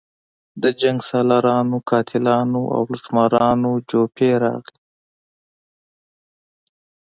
د جنګسالارانو، قاتلانو او لوټمارانو جوپې راغلي.